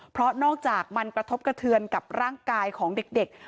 เพราะนอกจากมันกระทบกระเทือนกับร่างกายของเด็ก